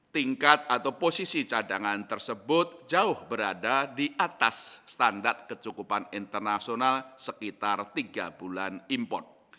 tingkat atau posisi cadangan tersebut jauh berada di atas standar kecukupan internasional sekitar tiga bulan import